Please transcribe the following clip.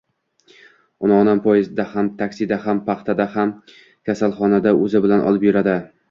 Uni onam poyezdda ham, taksida ham, paxtada ham, kasalxonada o’zi bilan olib yuradi.